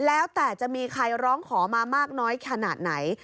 แล้วแต่จะมีใครร้องขอมามากน้อยขนาดไหน